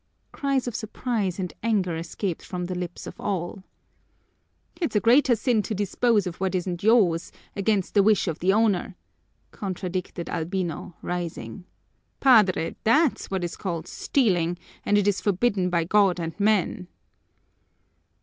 Cries of surprise and anger escaped from the lips of all. "It's a greater sin to dispose of what isn't yours, against the wish of the owner," contradicted Albino, rising. "Padre, that's what is called stealing and it is forbidden by God and men!"